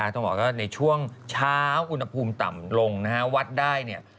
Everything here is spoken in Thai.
ต้องบอกว่าในช่วงเช้าอุณหภูมิต่ำลงนะฮะวัดได้เนี่ย